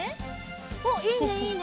おっいいねいいね！